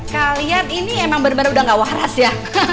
kalian ini emang bener bener udah gak waras ya